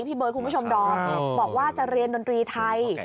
เบิร์ดคุณผู้ชมดอมบอกว่าจะเรียนดนตรีไทย